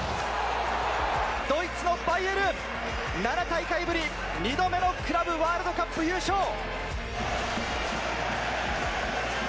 レバンドフスキ、ドイツのバイエルン、７大会ぶり２度目のクラブワールドカップ優勝！